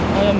nói em dựng